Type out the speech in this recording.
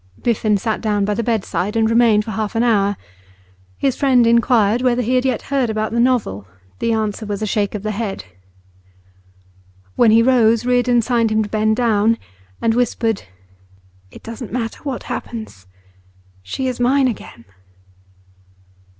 Biffen sat down by the bedside, and remained for half an hour. His friend inquired whether he had yet heard about the novel; the answer was a shake of the head. When he rose, Reardon signed to him to bend down, and whispered: 'It doesn't matter what happens; she is mine again.